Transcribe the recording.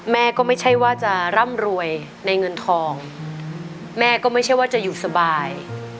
แม่ก็ไม่ใช่ว่าจะร่ำรวยในเงินทองแม่ก็ไม่ใช่ว่าจะอยู่สบาย